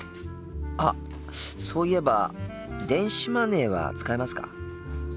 あっそういえば電子マネーは使えますか？